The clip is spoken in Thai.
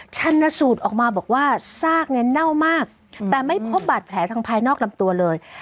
ชันสูตรออกมาบอกว่าซากเนี่ยเน่ามากแต่ไม่พบบาดแผลทางภายนอกลำตัวเลย